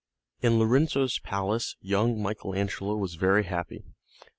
In Lorenzo's palace young Michael Angelo was very happy.